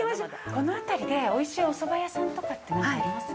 この辺りでおいしいおそば屋さんとかってあります？